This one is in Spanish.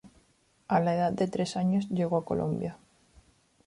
A la edad de tres años llegó a Colombia.